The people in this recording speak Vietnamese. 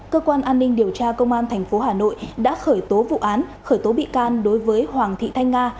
cơ quan an ninh điều tra công an tp hà nội đã khởi tố vụ án khởi tố bị can đối với hoàng thị thanh nga